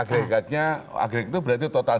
agregatnya agrek itu berarti total